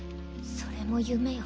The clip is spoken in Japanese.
それも夢よ。